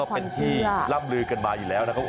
เป็นที่ล่ำลือกันมาอยู่แล้วนะครับ